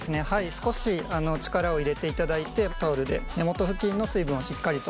少し力を入れていただいてタオルで根元付近の水分をしっかりと取っていただければと思います。